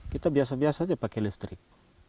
kita biasa biasa saja pakai listrik